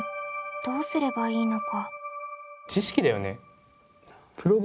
どうすればいいのか。